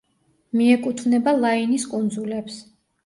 მიეკუთვნება ლაინის კუნძულებს.